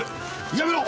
やめろ！